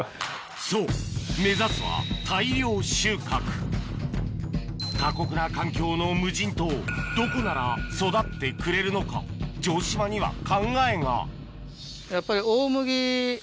そう目指すは過酷な環境の無人島どこなら育ってくれるのか城島には考えがやっぱり。